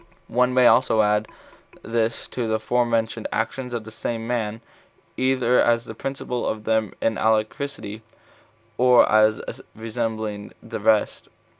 One may also add this to the forementioned actions of the same man, either as the principal of them in alacrity, or as resembling the rest.